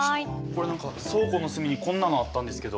これ何か倉庫の隅にこんなのあったんですけど。